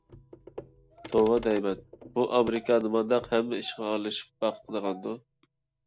توۋا دەيمەن، بۇ ئامېرىكا نېمانداق ھەممە ئىشقا ئارىلىشىپ باقىدىغاندۇ.